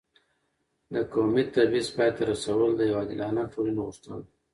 د قومي تبعیض پای ته رسول د یو عادلانه ټولنې غوښتنه ده.